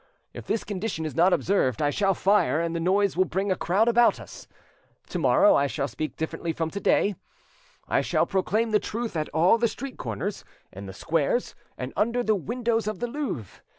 If this condition is not observed, I shall fire, and the noise will bring a crowd about us. To morrow I shall speak differently from to day: I shall proclaim the truth at all the street corners, in the squares, and under the windows of the Louvre.